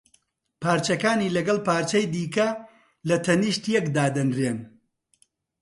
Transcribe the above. پارچەکانی لەگەڵ پارچەی دیکە لە تەنیشت یەک دادەنرێن